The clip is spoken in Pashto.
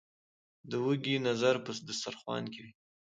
ـ د وږي نظر په دستر خوان وي.